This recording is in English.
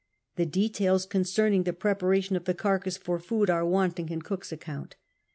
The details concerning the preparation of the carcass for food are wanting in Cook's account.